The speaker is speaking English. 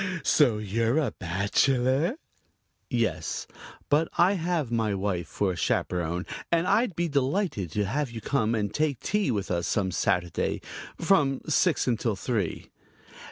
So you're a bachelor?" "Yes, but I have my wife for a chaperon and I'd be delighted to have you come and take tea with us some Saturday from six until three."